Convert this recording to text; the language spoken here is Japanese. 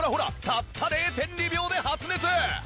たった０．２秒で発熱！